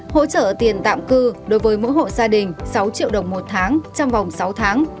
hỗ trợ tiền tạm cư đối với mỗi hộ gia đình sáu triệu đồng một tháng trong vòng sáu tháng